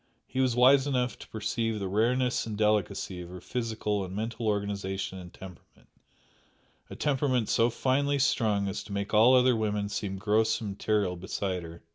He was wise enough to perceive the rareness and delicacy of her physical and mental organisation and temperament, a temperament so finely strung as to make all other women seem gross and material beside her.